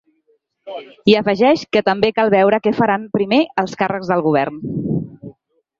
I afegeix que també cal veure què faran primer els càrrecs del govern.